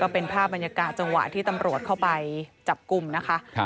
เป็นภาพบรรยากาศจังหวะที่ตำรวจเข้าไปจับกลุ่มนะคะ